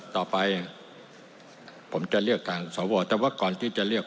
ต่อไปผมจะเลือกทางสวแต่ว่าก่อนที่จะเลือก